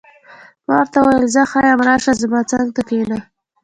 ما ورته وویل: زه ښه یم، راشه، زما څنګ ته کښېنه.